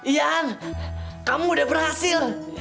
yan kamu udah berhasil